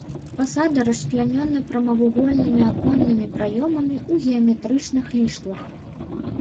Фасады расчлянёны прамавугольнымі аконнымі праёмамі ў геаметрычных ліштвах.